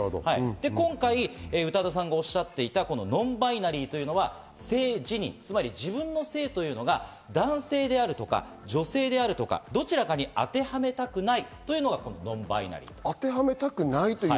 今回、宇多田さんがおっしゃっていたノンバイナリーというのは性自認、つまり自分の性が男性とか女性とか、どちらかに当てはめたくないというのがこのノンバイナリーです。